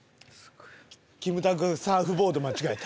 キムタクサーフボード間違えた。